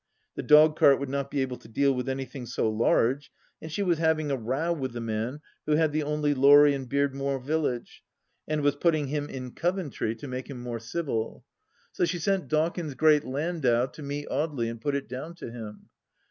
The dog cart would not be able to deal with anything so large, and she was having a row with the man who had the only lorry in Beardmore village, and was putting him in THE LAST DITCH 51 Coventry to make him more civil. So she sent Dawkin's great landau to meet Audely and put it down to him.